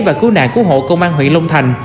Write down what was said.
và cứu nạn cứu hộ công an huyện long thành